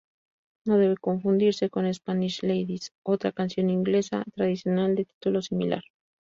No debe confundirse con "Spanish Ladies", otra canción inglesa tradicional de título similar.